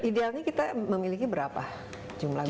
idealnya kita memiliki berapa jumlah guru